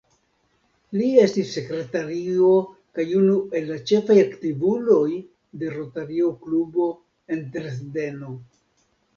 Li estis sekretario kaj unu el la ĉefaj aktivuloj de Rotario-klubo en Dresdeno.